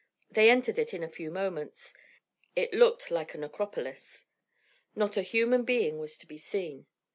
They entered it in a few moments. It looked like a necropolis. Not a human being was to be seen.